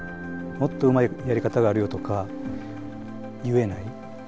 もっとうまいやり方があるよとか言えない。